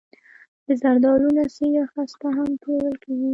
د زردالو نڅي یا خسته هم پلورل کیږي.